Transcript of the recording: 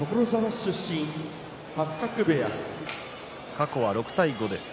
過去は６対５です。